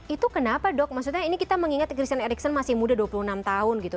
itu kenapa dok maksudnya ini kita mengingat christian erickson masih muda dua puluh enam tahun gitu